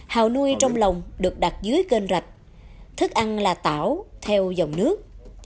hào nuôi trong lồng được đặt dưới kênh rạch thức ăn là tảo theo dòng nước